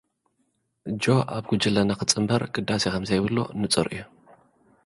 ጆ፡ ኣብ ጉጅለና ክንጽንበር ግዳሴ ከምዘይብሉ ንጹር እዩ።